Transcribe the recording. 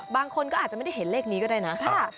บางคนก็อาจจะไม่ได้เห็นเลขนี้ก็ได้นะ